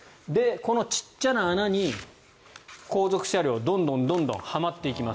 この小さな穴に後続車両どんどんはまっていきます。